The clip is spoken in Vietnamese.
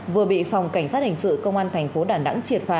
vừa bị phòng cảnh sát hình sự công an thành phố đà nẵng triệt phá